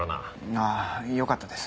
ああよかったです。